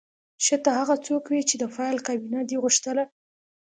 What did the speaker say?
ښه ته هغه څوک وې چې د فایل کابینه دې غوښتله